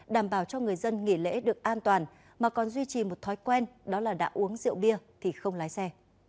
đảm bảo cho người dân nghỉ lễ được an toàn mà còn duy trì một thói quen đó là đã uống rượu bia thì không lái xe